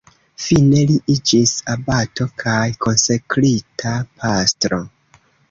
Fine li iĝis abato kaj konsekrita pastro.